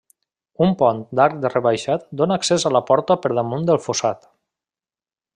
Un pont d'arc rebaixat dóna accés a la porta per damunt del fossat.